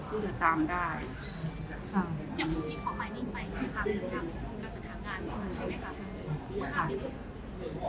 ครับอย่างพวกที่ขอมานิดหน่อยนะคะคือทางการทางงานใช่ไหมคะค่ะ